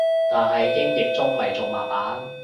但係英譯中咪仲麻煩